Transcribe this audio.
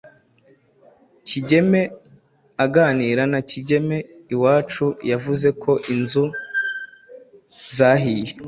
Kigeme, aganira na Kigeme Iwacu yavuze ko inzu zahiye